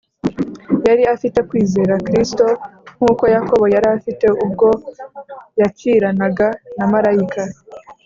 . Yari afite kwizera Kristo nk’uko Yakobo yari afite ubwo yakiranaga na Malayika